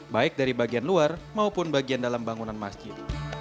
baik dari bagian luar maupun bagian dalam bangunan masjid